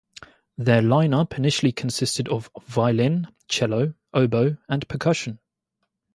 Their line-up initially consisted of violin, cello, oboe and percussion.